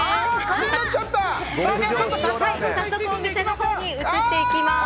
早速お店のほうに移ってみます。